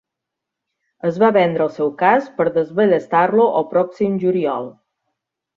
Es va vendre el seu casc per desballestar-lo el pròxim juliol.